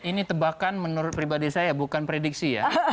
ini tebakan menurut pribadi saya bukan prediksi ya